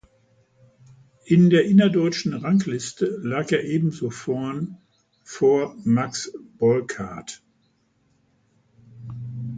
In der innerdeutschen Rangliste lag er ebenso vorn, vor Max Bolkart.